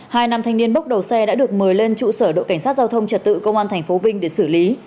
hai nam thanh niên bốc đầu xe đã được mời lên trụ sở đội cảnh sát giao thông trật tự công an tp vinh để xử lý